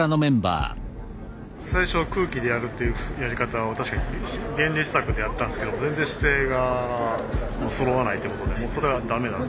最初は空気でやるというやり方を確かに原理試作でやったんですけど全然姿勢がそろわないってことでそれはダメだと。